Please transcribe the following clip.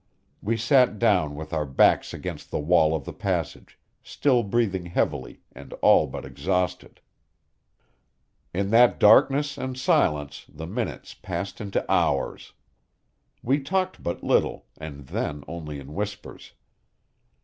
We sat down with our backs against the wall of the passage, still breathing heavily and all but exhausted. In that darkness and silence the minutes passed into hours. We talked but little, and then only in whispers.